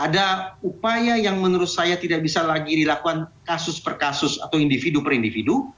ada upaya yang menurut saya tidak bisa lagi dilakukan kasus per kasus atau individu per individu